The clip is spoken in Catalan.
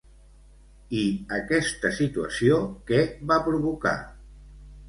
I aquesta situació què va provocar?